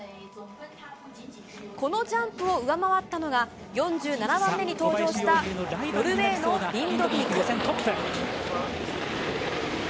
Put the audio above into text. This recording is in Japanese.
このジャンプを上回ったのが、４７番目に登場したノルウェーのリンドビーク。